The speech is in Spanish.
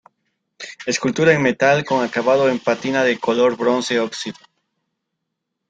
Escultura en metal con acabado en pátina de color bronce-óxido.